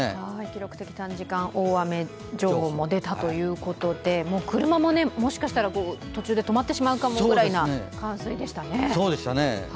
記録的短時間大雨情報も出たということでもう車ももしかしたら途中で止まってしまうかもぐらいの冠水でしたね。